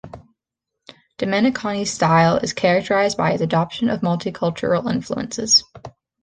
Domeniconi's style is characterized by his adoption of multicultural influences.